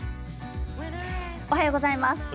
おはようございます。